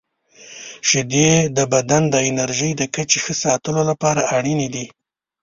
• شیدې د بدن د انرژۍ د کچې ښه ساتلو لپاره اړینې دي.